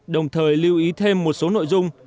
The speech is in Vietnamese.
đồng thời lưu ý thêm một số nội dung